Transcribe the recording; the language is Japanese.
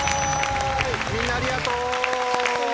みんなありがとう。